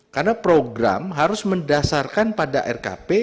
karena program harus mendasarkan pada rkp